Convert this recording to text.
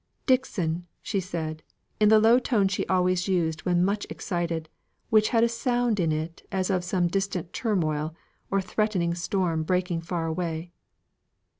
"Dixon," she said, in the low tone she always used when much excited, which had a sound in it as of some distant turmoil, or threatening storm breaking far away.